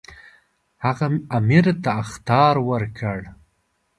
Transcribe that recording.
هغه امیر ته اخطار ورکړ.